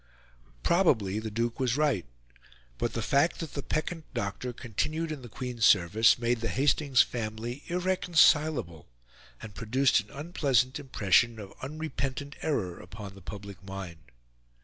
Probably the Duke was right; but the fact that the peccant doctor continued in the Queen's service made the Hastings family irreconcilable and produced an unpleasant impression of unrepentant error upon the public mind.